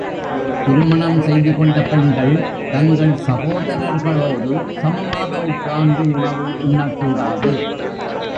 திருமணம் செய்துகொண்ட பெண்கள் தங்கள் சகோதரர்களோடு சமமாக உட்கார்ந்து உணவு உண்ணக்கூடாது.